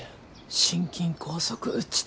心筋梗塞っちた。